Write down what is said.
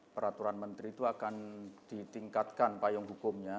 peraturan menteri itu akan ditingkatkan payung hukumnya